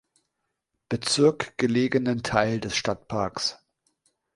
Bezirk gelegenen Teil des Stadtparks.